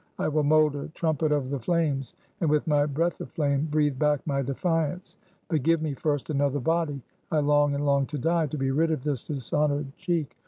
I will mold a trumpet of the flames, and, with my breath of flame, breathe back my defiance! But give me first another body! I long and long to die, to be rid of this dishonored cheek.